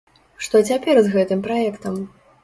Што цяпер з гэтым праектам?